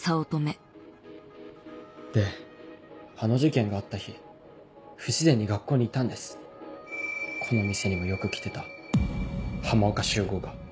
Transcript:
であの事件があった日不自然に学校にいたんですこの店にもよく来てた浜岡修吾が。